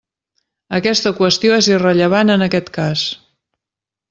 Aquesta qüestió és irrellevant en aquest cas.